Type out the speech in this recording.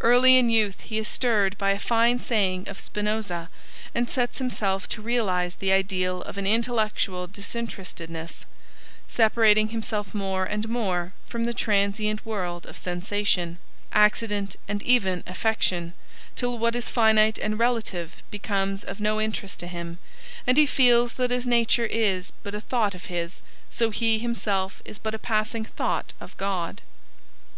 Early in youth he is stirred by a fine saying of Spinoza, and sets himself to realise the ideal of an intellectual disinterestedness, separating himself more and more from the transient world of sensation, accident and even affection, till what is finite and relative becomes of no interest to him, and he feels that as nature is but a thought of his, so he himself is but a passing thought of God.